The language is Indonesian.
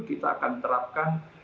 kita akan terapkan